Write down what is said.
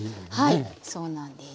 はいそうなんです。